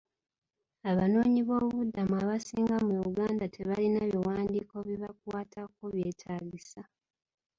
Abanoonyiboobubudamu abasinga mu Uganda tebalina biwandiiko bibakwatako byetaagisa.